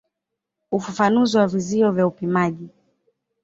Ufafanuzi wa vizio vya upimaji.